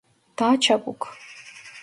Daha çabuk!